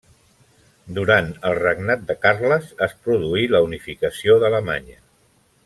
Durant el regnat de Carles es produí la Unificació d'Alemanya.